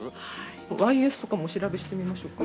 ＹＳとかもお調べしてみましょうか？